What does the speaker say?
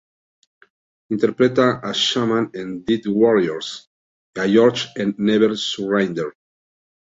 Interpreta a Shaman en "Death Warrior", y a Georges en "Never Surrender".